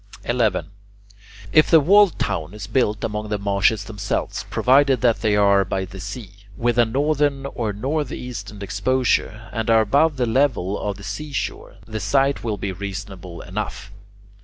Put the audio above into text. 11. If the walled town is built among the marshes themselves, provided they are by the sea, with a northern or north eastern exposure, and are above the level of the seashore, the site will be reasonable enough.